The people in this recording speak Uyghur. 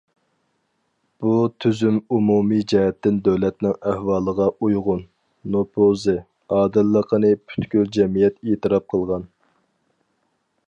بۇ تۈزۈم ئومۇمىي جەھەتتىن دۆلەتنىڭ ئەھۋالىغا ئۇيغۇن، نوپۇزى، ئادىللىقىنى پۈتكۈل جەمئىيەت ئېتىراپ قىلغان.